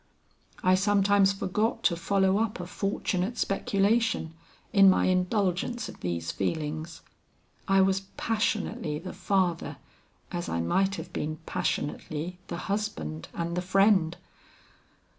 I sometimes forgot to follow up a fortunate speculation, in my indulgence of these feelings. I was passionately the father as I might have been passionately the husband and the friend.